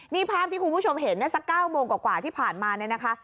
นี่ภาพที่คุณผู้ชมเห็นนะสัก๙โมงกว่าที่ผ่านมาเนี่ยนะคะ